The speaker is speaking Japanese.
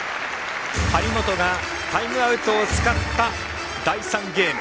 張本がタイムアウトを使った第３ゲーム。